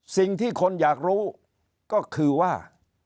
สิ่งที่คนอยากรู้ก็คือว่า